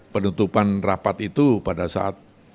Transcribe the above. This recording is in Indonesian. penutupan rapat itu pada saat